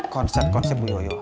konsep konsep bu yoyo